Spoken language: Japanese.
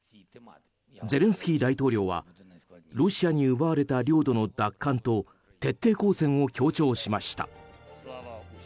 ゼレンスキー大統領はロシアに奪われた領土の奪還と徹底抗戦を強調しました。